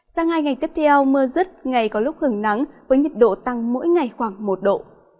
sang hai ngày tiếp theo mưa rứt ngày có lúc hưởng nắng với nhiệt độ tăng mỗi ngày khoảng một độ